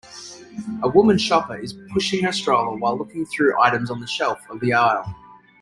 A woman shopper is pushing her stroller while looking through items on the shelf of the aisle.